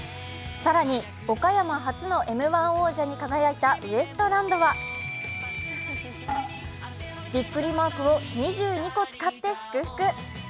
更に、岡山初のＭ−１王者に輝いたウエストランドはビックリマークを２２個使って祝福。